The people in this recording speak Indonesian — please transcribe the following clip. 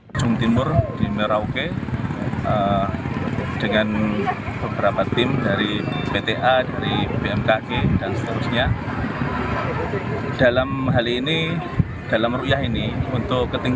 pemantauan di merauke diperkirakan akan berlangsung hingga pukul tujuh belas petang